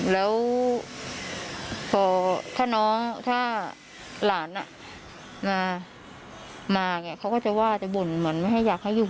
แล้วพอถ้าน้องถ้าหลานมาเขาก็จะว่าจะบ่นเหมือนไม่ให้อยากให้อยู่